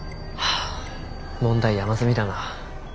あ問題山積みだな。